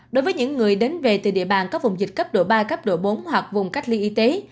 đối với những người đến về từ địa bàn có vùng dịch cấp độ ba cấp độ bốn hoặc vùng cách ly y tế